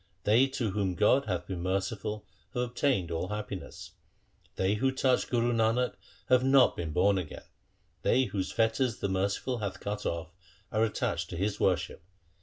They to whom God hath been merciful have obtained all happiness. They who touched Guru Nanak have not been born again. They whose fetters the Merciful hath cut off, are attached to His worship.